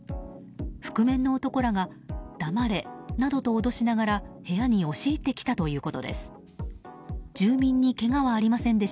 覆面の男らがだまれなどと脅しながら部屋に押し入ってきたということです。